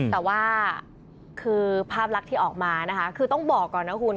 แต่ว่าคือภาพลักษณ์ที่ออกมานะคะคือต้องบอกก่อนนะคุณ